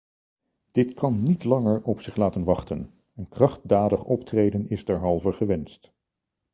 Dit kan niet langer op zich laten wachten, een krachtdadig optreden is derhalve gewenst.